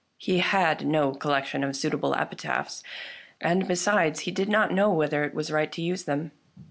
He had no collection of suitable epi taphs, and, besides, he did not know whether it was right to use them.